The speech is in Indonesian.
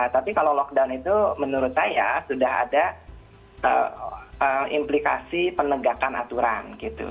tapi kalau lockdown itu menurut saya sudah ada implikasi penegakan aturan gitu